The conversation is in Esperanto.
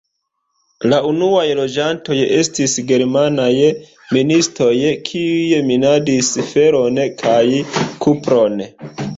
La unuaj loĝantoj estis germanaj ministoj, kiuj minadis feron kaj kupron.